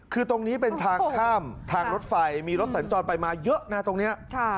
คือตรงนี้เป็นทางข้ามทางรถไฟมีรถสัญจรไปมาเยอะนะตรงนี้